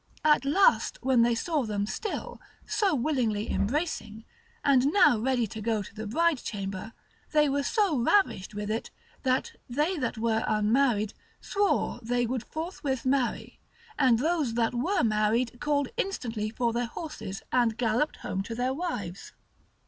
At the last when they saw them still, so willingly embracing, and now ready to go to the bride chamber, they were so ravished, with it, that they that were unmarried, swore they would forthwith marry, and those that were married called instantly for their horses, and galloped home to their wives.